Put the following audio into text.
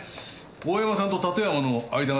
大山さんと館山の間柄